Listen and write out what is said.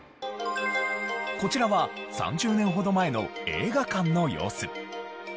こちらは３０年ほど前の映画館の様子。